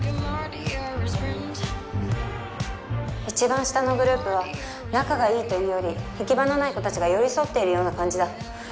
一番下のグループは仲が良いというより行き場のない子たちが寄り添っているような感じだ。